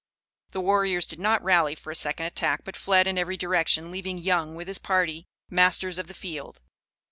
The warriors did not rally for a second attack, but fled in every direction, leaving Young, with his party, masters of the field.